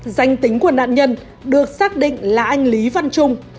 danh tính của nạn nhân được xác định là anh lý văn trung